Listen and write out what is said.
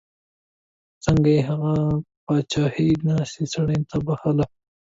څنګه یې هغه پاچهي داسې سړي ته بخښله.